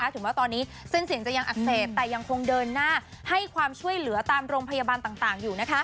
ถึงว่าตอนนี้เส้นเสียงจะยังอักเสบแต่ยังคงเดินหน้าให้ความช่วยเหลือตามโรงพยาบาลต่างอยู่